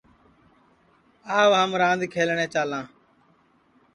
آو ہم راند کھیلٹؔے چالاں